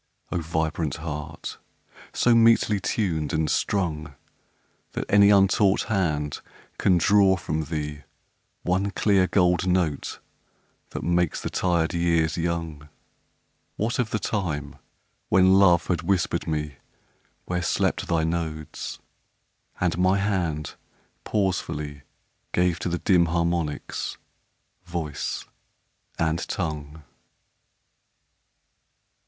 O vibrant heart! so metely tuned and strung That any untaught hand can draw from thee One clear gold note that makes the tired years young What of the time when Love had whispered me Where slept thy nodes, and my hand pausefully Gave to the dim harmonics voice and tongue?